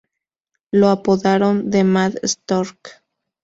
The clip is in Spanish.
Lo apodaron "The Mad Stork".